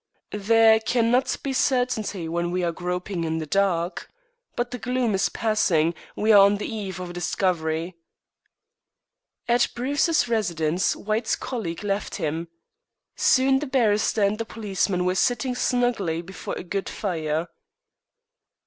"There cannot be certainty when we are groping in the dark. But the gloom is passing; we are on the eve of a discovery." At Bruce's residence White's colleague left him. Soon the barrister and the policeman were sitting snugly before a good fire.